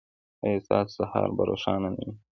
ایا ستاسو سهار به روښانه نه وي؟